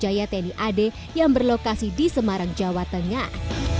jaya tni ad yang berlokasi di semarang jawa tengah